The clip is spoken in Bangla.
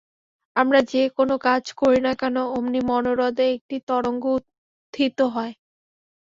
আমরা যে-কোন কাজ করি না কেন, অমনি মনোহ্রদে একটি তরঙ্গ উত্থিত হয়।